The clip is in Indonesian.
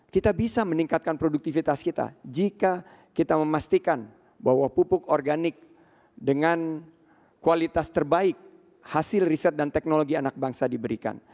kita bisa meningkatkan produktivitas kita jika kita memastikan bahwa pupuk organik dengan kualitas terbaik hasil riset dan teknologi anak bangsa diberikan